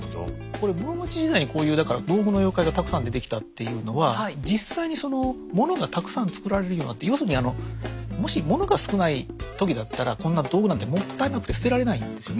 これ室町時代にこういうだから道具の妖怪がたくさん出てきたっていうのは実際にその物がたくさん作られるようになって要するにあのもし物が少ない時だったらこんな道具なんてもったいなくて捨てられないんですよね。